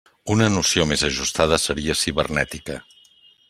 Una noció més ajustada seria cibernètica.